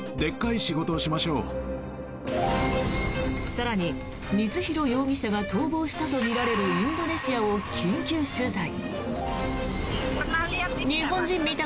更に、光弘容疑者が逃亡したとみられるインドネシアを緊急取材。